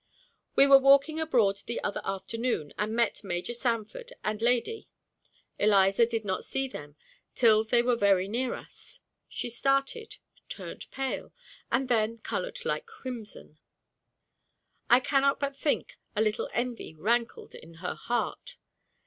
We were walking abroad the other afternoon, and met Major Sanford and lady. Eliza did not see them till they were very near us. She started, turned pale, and then colored like crimson. I cannot but think a little envy rankled in her heart.